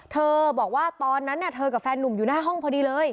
เธอบอกว่าตอนนั้นเธอกับแฟนนุ่มอยู่หน้าห้องพอดีเลย